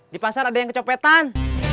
di pasar ada yang kecopetan